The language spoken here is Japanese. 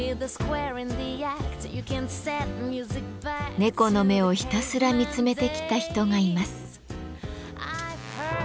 猫の目をひたすら見つめてきた人がいます。